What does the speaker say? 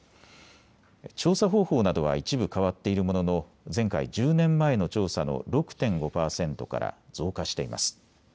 調査方法などは一部変わっているものの前回１０年前の調査の６．５％から増加しています。